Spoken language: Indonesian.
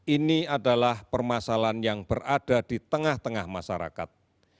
ini adalah permasalahan yang berada di tengah tengah masyarakat